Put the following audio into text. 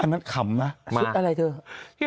อันนั้นขำนะมาคุณนาคไงซุดอะไรเท่าครับ